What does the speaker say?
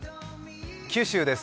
九州です。